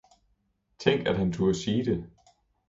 Tænk at han turde sige det!